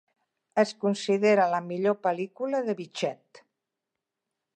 Es considera la millor pel·lícula de Vichet.